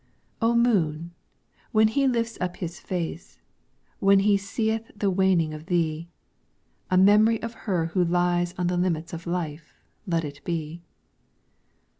O Moon, when he lifts up his face, when he seeth the waning of thee, A memory of her who lies wan on the limits of life let it be.